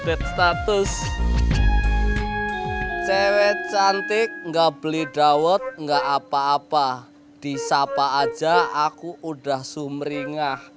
update status cewek cantik nggak beli dawot nggak apa apa di sapa aja aku udah sumringah